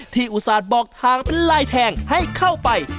ที่อุทษัตริย์บอกทางเล่นได้มาให้เข้าไป